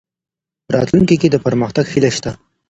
راتلونکې کې د پرمختګ هیله شته.